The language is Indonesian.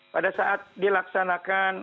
pada saat dilaksanakan